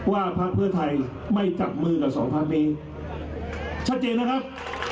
พักเพื่อไทยไม่จับมือกับสองพักนี้ชัดเจนนะครับ